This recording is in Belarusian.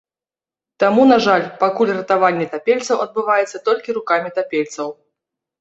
Таму, на жаль, пакуль ратаванне тапельцаў адбываецца толькі рукамі тапельцаў.